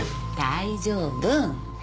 大丈夫。